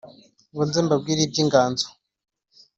ngo nze mbabwire iby’inganzo